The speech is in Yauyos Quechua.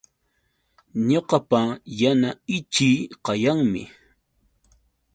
Ñuqapa yana ichii kayanmi